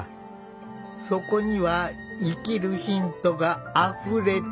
そこには生きるヒントがあふれている。